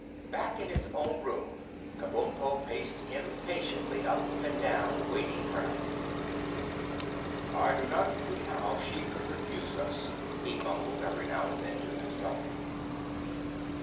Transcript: Back in his own room, Kabumpo paced impatiently up and down, waiting for night. "I do not see how she could refuse us," he mumbled every now and then to himself.